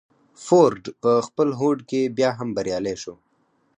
فورډ په خپل هوډ کې بيا هم بريالی شو.